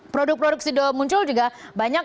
produk produk sido muncul juga banyak